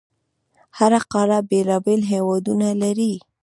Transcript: هره قاره بېلابېل هیوادونه لري.